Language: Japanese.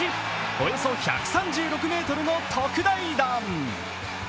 およそ１３６ｍの特大弾。